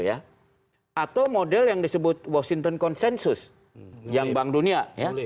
atau model yang disebut washington consensus yang bank dunia ya